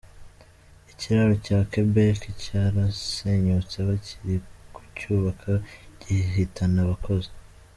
ikiraro cya Quebec cyarasenyutse bakiri kucyubaka gihitana abakozi .